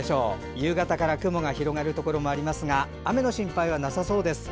夕方から雲が広がるところはありますが雨の心配はなさそうです。